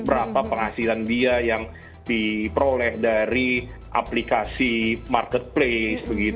berapa penghasilan dia yang diperoleh dari aplikasi marketplace